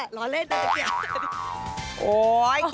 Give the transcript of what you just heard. หลอนเลขตั้งแต่เกียรติ